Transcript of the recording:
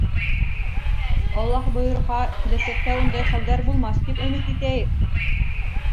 — Аллаһ бойорһа, киләсәктә ундай хәлдәр булмаҫ тип өмөт итәйек.